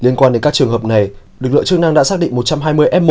liên quan đến các trường hợp này lực lượng chức năng đã xác định